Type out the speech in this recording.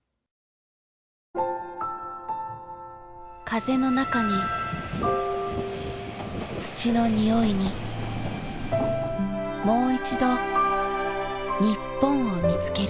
風の中に土の匂いにもういちど日本を見つける。